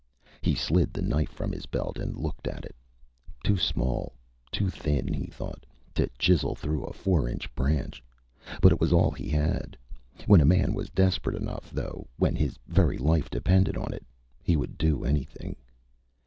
He slid the knife from his belt and looked at it. Too small, too thin, he thought, to chisel through a four inch branch, but it was all he had. When a man was desperate enough, though, when his very life depended on it, he would do anything.